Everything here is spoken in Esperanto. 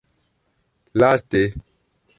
laste